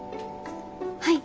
はい。